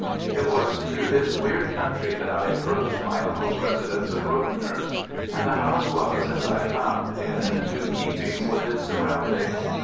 It was through this weird country that I approached my uncle's residence of Rodenhurst, and the house was, as I found, in due keeping with its surroundings.